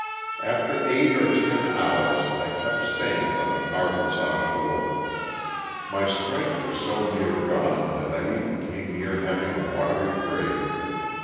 After eight or ten hours I touched sand on the Arkansas shore. My strength was so near gone that I even then came near having a watery grave.